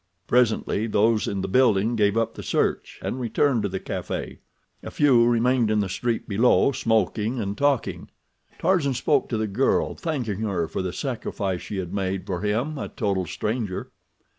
Presently those in the building gave up the search, and returned to the café. A few remained in the street below, smoking and talking. Tarzan spoke to the girl, thanking her for the sacrifice she had made for him, a total stranger.